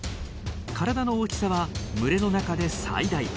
体の大きさは群れの中で最大。